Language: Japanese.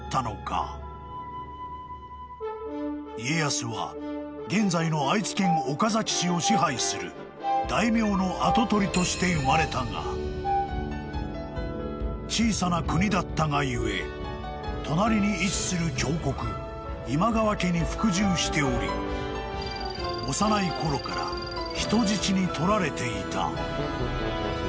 ［家康は現在の愛知県岡崎市を支配する大名の跡取りとして生まれたが小さな国だったが故隣に位置する強国今川家に服従しており幼い頃から人質にとられていた］